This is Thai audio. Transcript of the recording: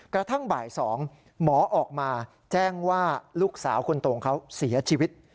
กระทั่งบ่าย๒หมอออกมาแจ้งว่าลูกสาวคนโตของเขาเสียชีวิต